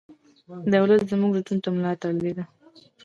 دولت زموږ لوټلو ته ملا تړلې ده.